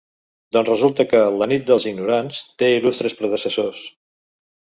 Doncs resulta que "La Nit dels Ignorants" té il·lustres predecessors.